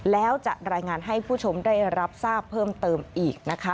แล้วจะรายงานให้ผู้ชมได้รับทราบเพิ่มเติมอีกนะคะ